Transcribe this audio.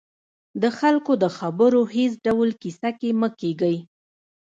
د خلکو د خبرو هېڅ ډول کیسه کې مه کېږئ